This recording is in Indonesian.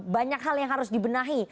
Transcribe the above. banyak hal yang harus dibenahi